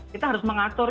kita harus mengatur